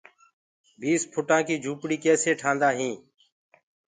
بِيس ڦُٽآنٚ ڪي جُهوپڙي ڪيسي ٺآندآ هينٚ۔